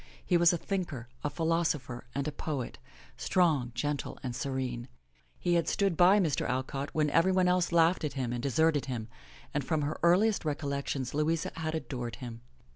He was a thinker, a philosopher and a poet, strong, gentle and serene. He had stood by Mr. Alcott when everybody else laughed at him and deserted him, and from her earliest recollections Louisa had adored him.